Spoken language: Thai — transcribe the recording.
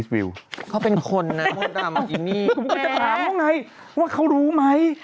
ว่ามักเขารู้ไหม